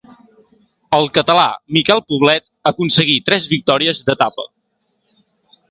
El català Miquel Poblet aconseguí tres victòries d'etapa.